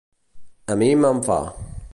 A mi me'n fa.